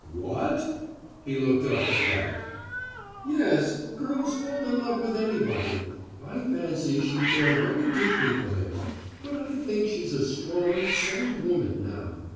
"What?" He looked up at that. "Yes; girls fall in love with anybody. I fancy she cared very deeply for him; but I think she's a strong, sane woman, now.